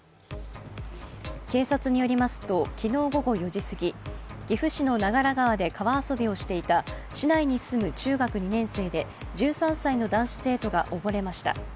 警察によりますと昨日午後４時すぎ岐阜市の長良川で川遊びをしていた市内に住む中学２年生で１３歳の男子生徒が溺れました。